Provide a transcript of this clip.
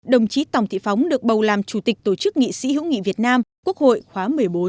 đồng chí tòng thị phóng được bầu làm chủ tịch tổ chức nghị sĩ hữu nghị việt nam quốc hội khóa một mươi bốn